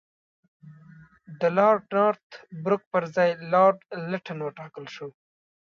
د لارډ نارت بروک پر ځای لارډ لیټن وټاکل شو.